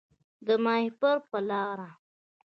د ماهیپر په لار